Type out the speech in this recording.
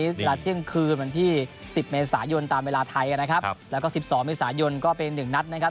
กลางนี้ละเที่ยงคืนวันที่๑๐เมษายนตามเวลาไทยนะครับแล้วก็๑๒เมษายนก็เป็น๑นัทนะครับ